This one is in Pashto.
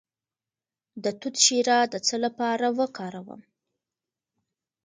د توت شیره د څه لپاره وکاروم؟